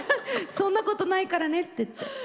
そんなことないからねって言って。